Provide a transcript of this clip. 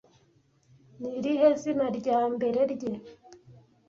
Ni irihe zina rya mbere rye